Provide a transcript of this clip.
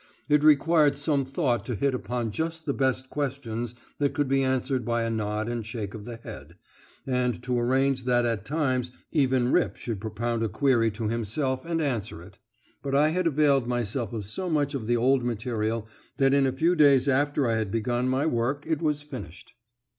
It required some thought to hit upon just the best questions that could be answered by a nod and shake of the head, and to arrange that at times even Rip should propound a query to himself and answer it; but I had availed myself of so much of the old material that in a few days after I had begun my work it was finished.